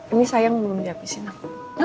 ini sayang belum dihabisin aku